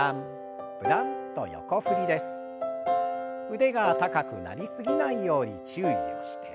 腕が高くなりすぎないように注意をして。